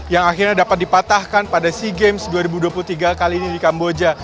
yang akhirnya dapat dipatahkan pada sea games dua ribu dua puluh tiga kali ini di kamboja